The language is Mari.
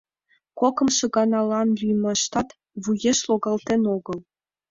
Кокымшо ганалан лӱйымаштат вуеш логалтен огыл.